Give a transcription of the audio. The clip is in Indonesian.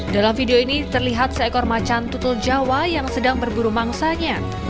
dalam video ini terlihat seekor macan tutul jawa yang sedang berburu mangsanya